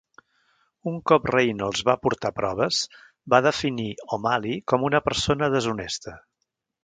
Un cop Reynolds va aportar proves, va definir O'Malley com una "persona deshonesta".